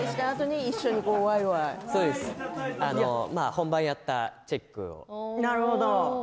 本番やったチェックですね。